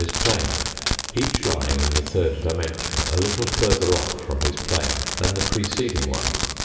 his plane, each lying in the third dimension a little further off from his plane than the preceding one.